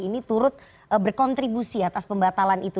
ini turut berkontribusi atas pembatalan itu